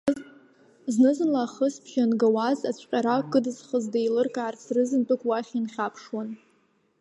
Зны-зынла ахысбжьы ангауаз, ацәҟьара кыдызхыз деилыркаарц, рызынтәык уахь инхьаԥшуан.